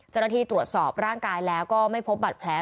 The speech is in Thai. เจ้าหน้าที่ตรวจสอบร่างกายแล้วก็ไม่พบบัตรแผล